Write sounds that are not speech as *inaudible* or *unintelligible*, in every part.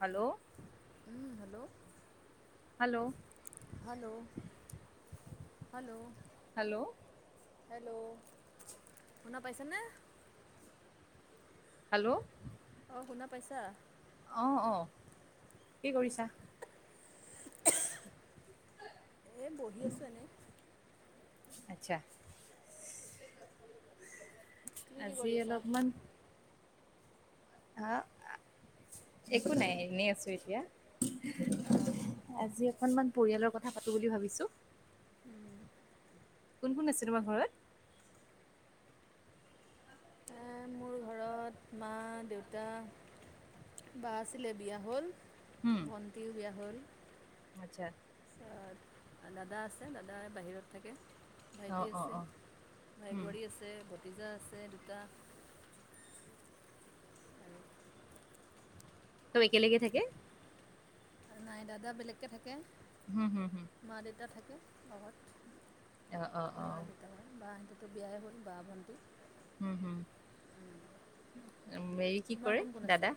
Hello! উম, hello! Hello! Hello! Hello! Hello! Hello! শুনা পাইছেনে? Hello! অ', শুনা পাইছা? অ', অ', কি কৰিছা? এই বহি আছোঁ এনেই। আচ্ছা। তুমি কি আজি কৰি আছা? অলপমান আ, একো নাই এনেই আছোঁ এতিয়া। অঁ আজি অকনমান পৰিয়ালৰ কথা পাতোঁ বুলি ভাবিছোঁ। উম কোন, কোন আছে তোমাৰ ঘৰত? আ, মোৰ ঘৰত মা, দেউতা। বা আছিলে বিয়া হ'ল, ভণ্টিও বিয়া হ'ল। আতছা। দাদা আছে দাদা বাহিৰত থাকে। অ ভাইটি অ আছে, অ ভাই উম বোৱাৰী আছে ভতিজা আছে দুটা। চব একেলগে থাকে? নাই দাদা বেলেগকে থাকে। হম, হম, হম। মা দেউতা থাকে ঘৰত অ অ অ মা দেউতা। বাটোতো বিয়াই হ'ল বা ভণ্টি। উম, হম, এই কি তোমাৰ কৰে কোন কোন আছে দাদা?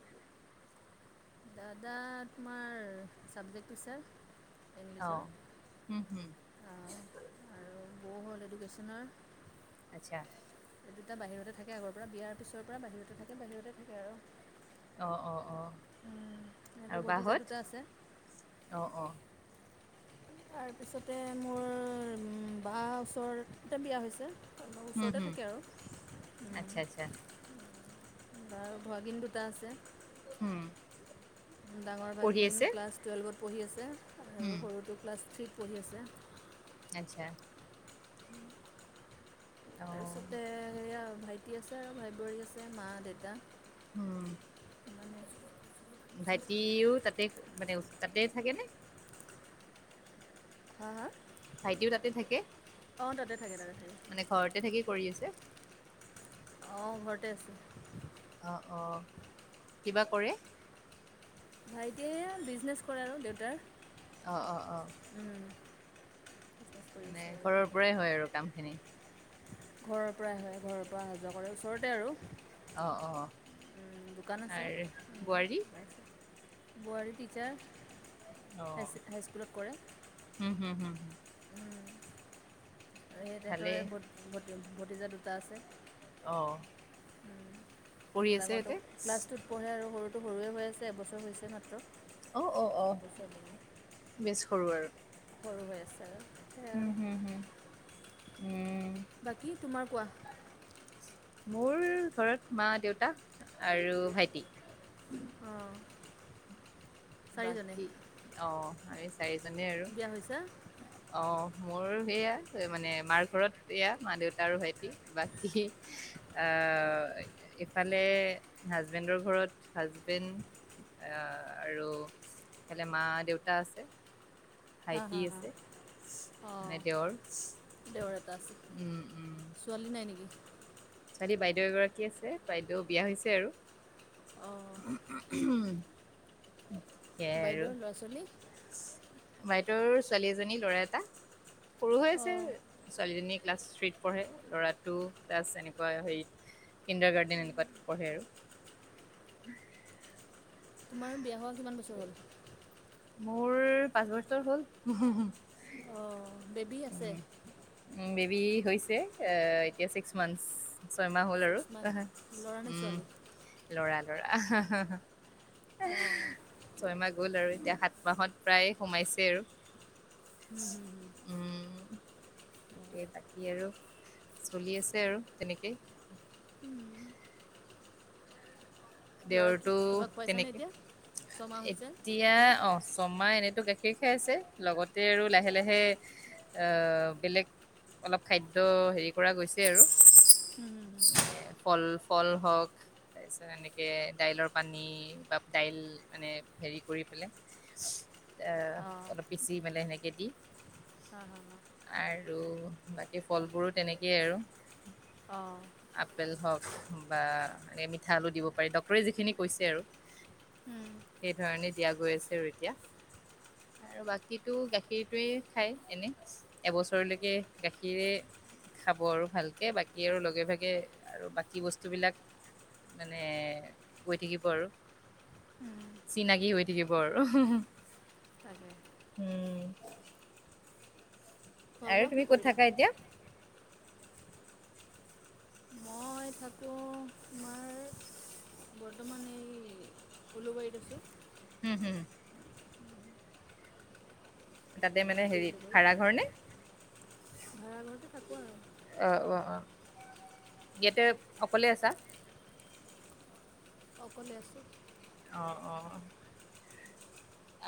দাদা তোমাৰ চাবজেক্ট টিচাৰ। ইংলিছৰ অ' উম হম। আৰু বৌ হ'ল এডুকেশ্যনৰ আটচ্ছা। দুটা বাহিৰতে থাকে আগৰ পৰা বিয়াৰ পিছৰ পৰা বাহিৰতে থাকে বাহিৰতে থাকে আৰু। অঁ অঁ অঁ, সিহঁতৰ আৰু বা ভতিজা হঁত? দুটা আছে তাৰপিছতে মোৰ বা ওচৰতে বিয়া হৈছে। হুম ওচৰতে হুম থাকে আৰু। আচ্ছা আচ্ছা। বাৰ ভাগিন দুটা আছে। হুম ডাঙৰ পঢ়ি ভাগিন আছে? ক্লাছ টুৱেলভত পঢ়ি আছে আৰু হুম। সৰুটো ক্লাছ থ্ৰীত পঢ়ি আছে। আচ্ছা। *inaudible* অঁ তাৰপিছতে সেয়া ভাইটি আছে আৰু ভাই বোৱাৰী আছে মা-দেতা। অঁ। ভাইটিও তাতে মানে তাতে থাকে নে? হা হা? ভাইটিও তাতে থাকে। অঁ তাতে থাকে তাতে থাকে। মানে ঘৰতে থাকি কৰি আছে। অ' ঘৰতে আছে। অঁ অঁ, কিবা কৰে? ভাইটিয়ে এইয়া বিজনেছ কৰে আৰু দেউতাৰ। অ' অ' অ'। উম। মানে ঘৰৰ পৰাই হয় আৰু কামখিনি। ঘৰৰ পৰাই হয়, ঘৰৰ পৰা অহা-যোৱা কৰে ওচৰতে আৰু। অ' অ' অ'। উম, দোকান আছে, বোৱাৰী টিচাৰ। হাই-হাইস্কুলত কৰে। উম, হুম হুম হুম। ভালেই। *unintelligible* ভ-ভতিজা দুটা আছে। অ'। ডাঙৰটোক ক্লাছ টুত। পঢ়ে আৰু সৰুটো সৰুৱে হৈ আছে এবছৰ হৈছে মাত্ৰ। মিছ কৰো আৰু। সৰু হৈ আছে। সেয়াই উম, আৰু হম হম, উম। বাকী, তোমাৰ কোৱা। মোৰ ঘৰত মা, দেউতা আৰু ভাইটি। অহ। বাকী, অহ' আমি চাৰিজনেই আৰু। বিয়া হৈছে অ' মোৰ সেয়া মানে মাৰ ঘৰত এয়া মা-দেউতা আৰু ভাইটি। বাকী, আহ' এফালে হাজবেণ্ডৰ ঘৰত হাজবেণ্ড আহ আৰু সেফালে মা-দেউতা আছে। হাঁ, ভাইটি হাঁ, আছে অঁ মানে দেওৰ দেওৰ এটা আছে। উম উম ছোৱালী নাই নেকি? ছোৱালী বাইদেউ এগৰাকী আছে, বাইদেউ বিয়া হৈছে আৰু। অ' উহু হু, হু, সেইয়াই আৰু। বাইদেউৰ ল'ৰা ছোৱালী বাইদেউৰ ছোৱালী এজনী, ল'ৰা এটা, সৰু হৈ আছে অঁ ছোৱালীজনী- ক্লাছ থ্ৰীত পঢ়ে, ল'ৰাটো ক্লাছ এনেকুৱা হেৰি কিণ্ডাৰ গাৰ্ডেন এনেকুৱাত পঢ়ে আৰু। তোমাৰ বিয়া হোৱা কিমান বছৰ হ'ল? মোৰ পাঁচ বছৰ হ'ল। হু, হু। অ' বেবী আছে। উম বেবী হৈছে, এ এতিয়া ছিক্স মানচ। ছয়মাহ হ'ল আৰু ছিক্স মান্থ এহে ল'ৰা নে উম। ছোৱালী ল'ৰা, ল'ৰা আ হাঁ হাঁ এহ। অঁ ছয়মাহ গ'ল আৰু এতিয়া সাত মাহত প্ৰায় সোমাইছে আৰু। হুম, হুম, হুম। উম' সেই বাকী আৰু চলি আছে আৰু তেনেকেই। ল'ৰা কি দেওৰটো কিবা খুৱাইছানে তেনেকে, এতিয়া ছমাহ হৈছে বেলেগ এতিয়া কিবা অঁ- ছমাহ এনেইটো গাখীৰ খাই আছে, লগতে আৰু লাহে লাহে- আ' বেলেগ অলপ খাদ্য হেৰি কৰা গৈছে আৰু। উম' উম' উম' এ ফল ফল হওক, তাৰপিছত এনেক- এই দাইলৰ পানী বা দাইল মানে হেৰি কৰি পেলাই। অঁ এহ অলপ বেচি মানে সেনেকে দি। হা হা হা আৰু বাকী ফলবোৰো তেনেকেই আৰু। অঁ' আপেল হওক বা এনে মিঠা আলু দিব। পাৰি। ডক্টৰে যিখিনি কৈছে আৰু সেইধৰণে দিয়া গৈ আছে আৰু এতিয়া। আৰু বাকীটো গাখীৰটোৱে খাই এনেই। এবছৰলেকে গাখীৰে- খাব আৰু ভালকে বাকী আৰু লগে ভাগে আৰু বাকী বস্তু বিলাক- এ হৈ থাকিব আৰু। চিনাকি হৈ থাকিব আৰু, উম হো তাকে হো উম'। খোৱা আৰু বোৱা কি তুমি ক'ত কৰিলা থাকা এতিয়া? মই থাকোঁ তোমাৰ- বৰ্তমান এই, উলুবাৰীত আছোঁ। উম' হু। তাতে মানে গুৱাহাটীৰ হেৰি, উলুবাৰীত ভাড়া ঘৰ নে? ভাড়া ঘৰতে থাকোঁ আৰু। অঁ অঁ অঁ ইয়াতে অকলেই আছা। অকলে আছোঁ। অঁ অঁ অঁ'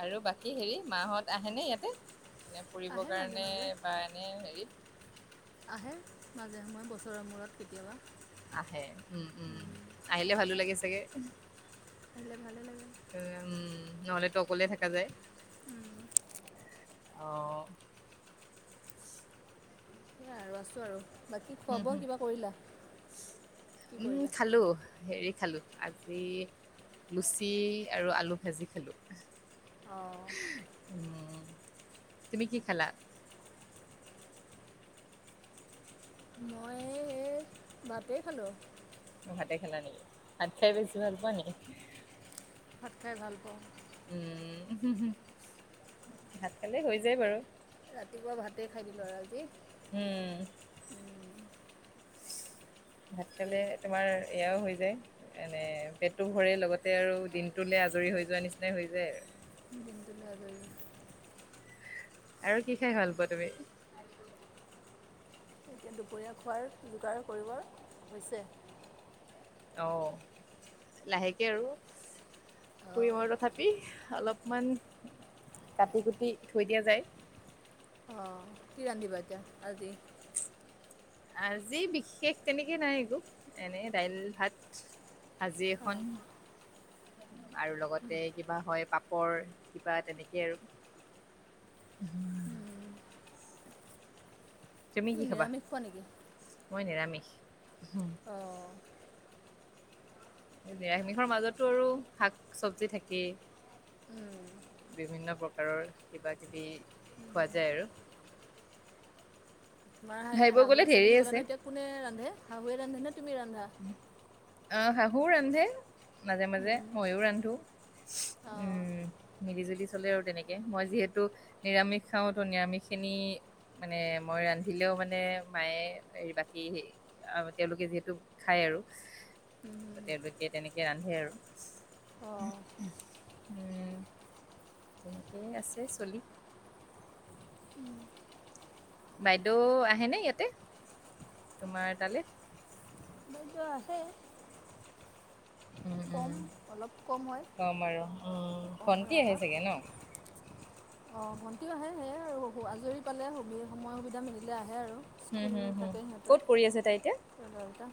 আৰু বাকী হেৰি মাঁহত আহেনে ইয়াতে? এ ফুৰিব আহে মাজে কাৰণে মাজে বা এনে হেৰিত। আহে মাজে সময়ে বছৰৰ মূৰত কেতিয়াবা। আহে, উম উম আহিলে ভালো লাগে চাগে। আহিলে ভালে লাগে। উমঁ নহলেতো অকলে থাকা যায় অঁ। সেয়াই আৰু আছোঁ আৰু বাকী হুম, খুৱাব হুম, কিবা কৰিলা কি কৰিলা? হেল্লৌ! হেৰি খালো আজি লুচি আৰু আলু ভাজি খালো। অঁ উমঁ তুমি কি খালা? মই হে- ভাতেই খালোঁ্ ভাতে খালা নেকি? ভাত খাই বেচি ভাল পোৱা নেকি? ভাত খাই ভাল পাওঁ। উমঁ হো হো ভাত খালে হৈ যায় বাৰু। ৰাতিপুৱা ভাতেই খাই দিলো আজি। উমঁ! ভাত খালে তোমাৰ এয়াও হৈ যায়। এনে পেটো ভৰে লগতে আৰু দিনটো লৈ আজৰি হৈ যোৱা নিচিনাই হৈ যায়। দিনটো লৈ আজৰি। আৰু কি খাই ভাল পোৱা তুমি? এতিয়া দুপৰীয়া খোৱাৰ যোগাৰ কৰিব হৈছে। অঁ লাহেকে আৰু। অঁ ফুৰিমৰ তথাপি অলপমান কাটি কুটি থৈ দিয়া যায়। অঁ! কি ৰান্ধিবা এতিয়া আজি। আজি বিশেষ তেনেকে নাই একো এনে দাইল ভাত। ভাজি অঁ এখন- আৰু লগতে কিবা হয় পাপৰ কিবা তেনেকেই আৰু। ওহো তুমি কি খাবা নিৰামিষ খোৱা নেকি মই নিৰামিষ হোম অঁ নিৰামিষৰ মাজতো আৰু শাক চবজি থাকেই। উম, বিভিন্ন প্ৰকাৰৰ কিবা কিবি খোৱা যায় আৰু। তোমাৰ হে ভাবিব শাহু গ'লে আছে ধেৰি বুলি ক'লা নহয় এতিয়া কোনে ৰান্ধে শাহুৱে ৰান্ধে নে তুমি ৰান্ধা? আহ শাহু ৰান্ধে মাজে মাজে উম, মইও ৰান্ধো। অঁ উমঁ মিলি জুলি চলে আৰু তেনেকে মই যিহেতু- নিৰামিষ খাওঁতো নিৰামিষ খিনি- মানে মই ৰান্ধিলেও মানে মায়ে হে বাকী তেওঁলোকে যিহেতু খাই আৰু উম, উম। তেওঁলোকে তেনেকে ৰান্ধে আৰু। ওম অঁ ওম উমঁ! ঠিক আছে চলি। বাইদেউ আহেনে ইয়াতে তোমাৰ তালৈ? খাদ্য আছেই। উম, কম উম, অলপ কম হয় কম আৰু উম, কম ভণ্টি হয় আহে অহা। চাগে ন অঁ ভণ্টিও আহে সেয়াই আৰু আজৰি পালে সুবি সময় সুবিধা মিলিলে আহে আৰু। হুম, স্কুল হুম, হুম থাকে সিহঁতৰ ক'ত কৰি আছে তাই এতিয়া? ল'ৰাকেইটা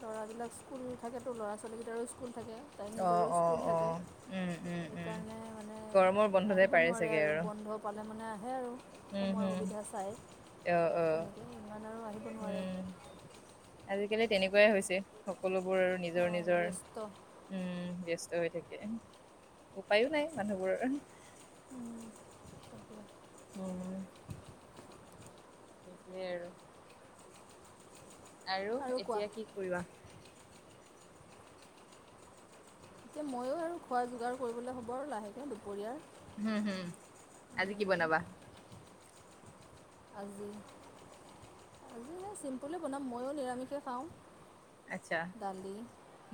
ল'ৰাবিলাক স্কুল থাকেতো ল'ৰা ছোৱালীকেইটাৰো স্কুল থাকে। তাইমতো অ', নিজৰো অ', স্কুল থাকে। অ', উম, উম, উম সেইকাৰণে মানে গৰমৰ বন্ধতে আহিব পাৰে নোৱাৰে চাগে আৰু বন্ধ পালে মানে আহে আৰু। উম, সময় হম সুবিধা চাই, অ', অ', তেনেকৈ ইমান আৰু আহিব নোৱাৰে। উম, আজিকালি তেনেকোৱাই হৈছে সকলোবোৰ আৰু নিজৰ অঁ নিজৰ ব্যস্ত উম ব্যস্ত হৈ থাকে, উপায়ো নাই মানুহবোৰৰ তাকে উ সেই আৰু আৰু এতিয়া কি কৰিবা এতিয়া ময়ো আৰু খোৱা যোগাৰ কৰিবলে হ'ব আৰু লাহেকে দুপৰীয়াৰ। হম হম আজি কি বনাবা? আজি, আজি এনে চিম্পুলে বনাম ময়ো নিৰামিষে খাও। আচ্ছা, দালি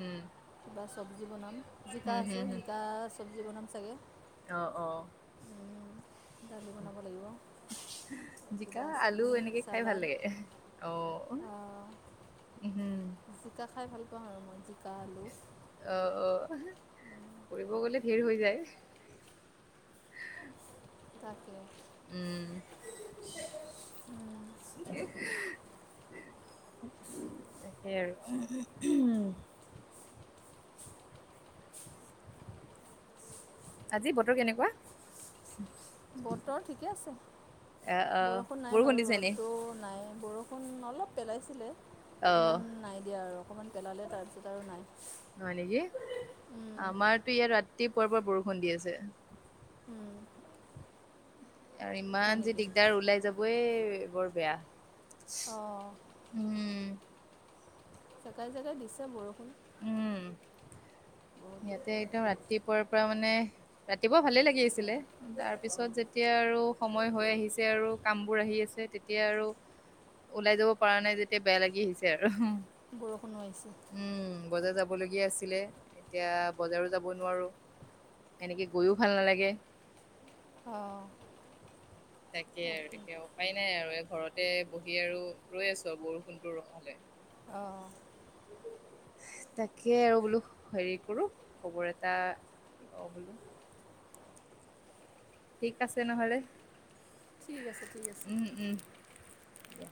উম। কিবা চবজি বনাম, জিকা হুম, আছে হুম, হুম, জিকা চবজি বনাম চাগে অ অ দালি বনাব লাগিব। জিকা কিবা আলু চাটনি এনেকে খাই ভাল চালাড লাগে। অ উম হম জিকা খাই ভাল পাওঁ আৰু মই জিকা আলু। অ অ এহে কৰিব গ'লে ধেৰ হৈ যায়। হে তাকে উম এ হে হে তাকেই আৰু উম উম উম আজি বতৰ কেনেকোৱা? বতৰ ঠিকে আছে, অ', বৰষুণ নাই বাৰু দিছে নি? ৰ'দটো নাইয়ে। বৰষুণ অলপ পেলাইছিলে, অ'। ইমান নাই দিয়া আৰু অকণমান পেলালে তাৰপিছত আৰু নাই। হয় নেকি, আমাৰতো ইয়াত ৰাতিপুৱাৰ পৰা বৰষুণ দি আছে। আৰু হয় ইমান যে নেকি দিগদাৰ ওলাই যাবই বৰ বেয়া। অ উম জেগাই জেগাই দিছে বৰষুণ। উম ইয়াতে একদম ৰাতি পুৱাৰ পৰা মানে ৰাতিপুৱা ভালে লাগি আছিলে। তাৰ পিছত যেতিয়া আৰু সময় হৈ আহিছে আৰু কামবোৰ আহি আছে তেতিয়া আৰু ওলাই যাব পৰা নাই যেতিয়া বেয়া লাগি আহিছে আৰু। বৰষুণো আহিছে। উম বজাৰ যাবলগীয়া আছিলে। এতিয়া বজাৰো যাব নোৱাৰো, এনেকে গৈয়ো ভাল নালাগে। অ তাকে আৰু এতিয়া উপায় নাই আৰু এই ঘৰতে বহি আৰু ৰৈ আছো আৰু বৰষুণতো ৰখক ভালে। অ উ তাকেই আৰু বোলো হেৰি কৰো খবৰ এটা লও বোলো। ঠিক আছে নহ'লে ঠিক আছে ঠিক আছে। উম উম দিয়া।